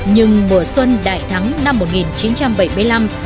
nhưng mùa xuân đại thắng năm một nghìn chín trăm bảy mươi năm